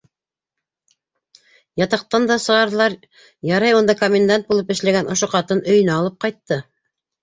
Ятаҡтан да сығарҙылар, ярай, унда комендант булып эшләгән ошо ҡатын өйөнә алып ҡайтты.